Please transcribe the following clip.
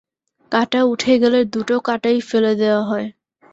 কাঁটা উঠে গেলে দুটো কাঁটাই ফেলে দেওয়া হয়।